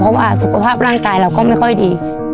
เพราะว่าสุขภาพร่างกายเราก็ไม่ค่อยดี